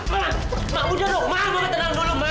mama udah dong